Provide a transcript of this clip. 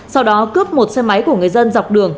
sau đó cướp một xe máy của người dân dọc đường